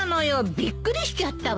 びっくりしちゃったわ。